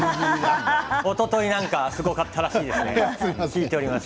おとといなんかすごかったらしいですね聞いております。